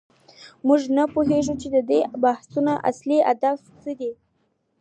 موږ نه پوهیږو چې د دې بحثونو اصلي هدف څه دی.